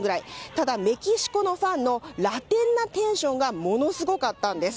ただ、メキシコのファンのラテンなテンションがものすごかったんです。